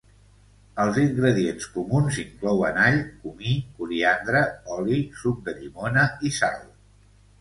Els ingredients comuns inclouen all, comí, coriandre, oli, suc de llimona, i sal.